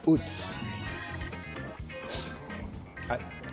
はい。